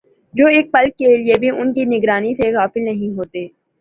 جو ایک پل کے لیے بھی ان کی نگرانی سے غافل نہیں ہوتے